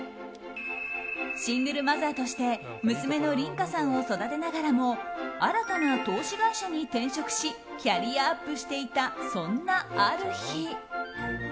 シングルマザーとして娘の凛夏さんを育てながらも新たな投資会社に転職しキャリアアップしていたそんなある日。